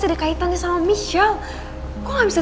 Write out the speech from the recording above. terima kasih mbak